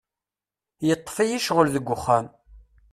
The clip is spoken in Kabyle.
Yeṭṭef-iyi ccɣel deg wexxam.